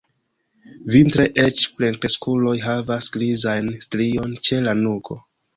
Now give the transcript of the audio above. Vintre eĉ plenkreskuloj havas grizajn strion ĉe la nuko.